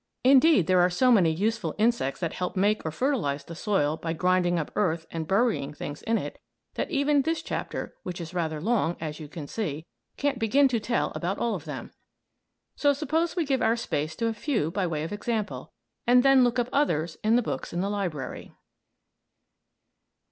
Indeed there are so many useful insects that help make or fertilize the soil by grinding up earth and burying things in it, that even this chapter, which is rather long, as you see, can't begin to tell about all of them. So suppose we give our space to a few by way of example, and then look up others in other books in the library.